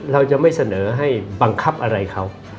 เราจะไม่เสนอให้บังคับอะไรเขา